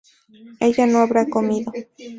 ella no habrá comido